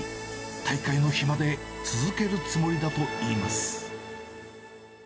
大会の日まで続けるつもりだといいます。